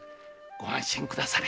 ご安心くだされ。